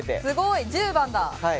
すごい！１０番だ。